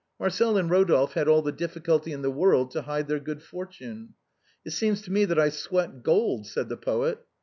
Marcel and Eodolphe had all the difficulty in the world to hide their good fortune. " It seems to me that I sweat gold," said the poet.